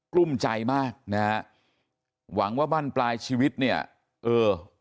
ลุ้มใจมากนะฮะหวังว่าบ้านปลายชีวิตเนี่ยเออ